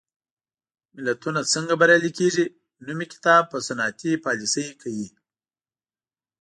ملتونه څنګه بریالي کېږي؟ نومي کتاب په صنعتي پالېسۍ کوي.